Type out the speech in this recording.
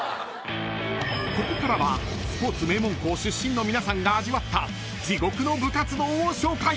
［ここからはスポーツ名門校出身の皆さんが味わった地獄の部活動を紹介］